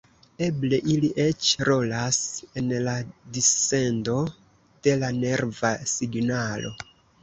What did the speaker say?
Eble ili eĉ rolas en la dissendo de la nerva signalo.